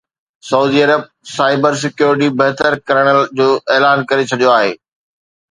سعودي عرب cyber security بهتر ڪرڻ جو اعلان ڪري ڇڏيو آهي